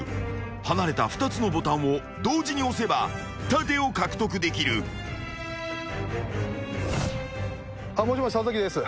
［離れた２つのボタンを同時に押せば盾を獲得できる］もしもし里崎です。